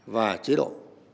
và chế độ